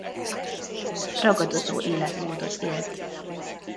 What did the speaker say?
Ragadozó életmódot élt.